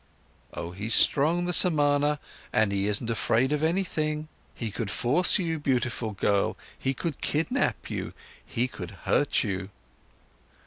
"Oh, he's strong, the Samana, and he isn't afraid of anything. He could force you, beautiful girl. He could kidnap you. He could hurt you."